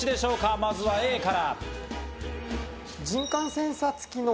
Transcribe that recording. まずはＡから。